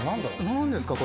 何ですか？